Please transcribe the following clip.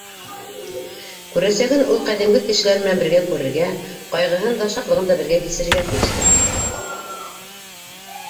Күрәсәген ул ҡәҙимге кешеләр менән бергә күрергә, ҡайғыһын да, шатлығын да бергә кисерергә тейештер.